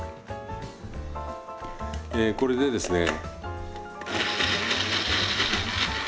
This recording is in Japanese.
えこれでですね。